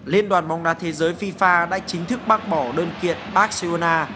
liên đoàn bóng đá thế giới fifa đã chính thức bác bỏ đơn kiện barcelona